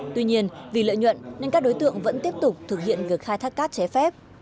tuy nhiên vì lợi nhuận nên các đối tượng vẫn tiếp tục thực hiện việc khai thác cát trái phép